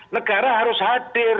negara harus hadir